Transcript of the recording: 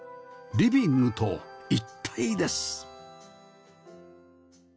リビングと一体です